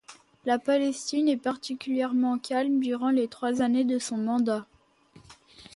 La Palestine est particulièrement calme durant les trois années de son mandat.